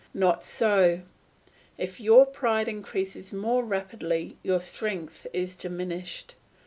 Not so; if your pride increases more rapidly your strength is diminished.